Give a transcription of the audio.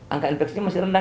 angka infeksinya masih rendah